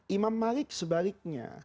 imam malik sebaliknya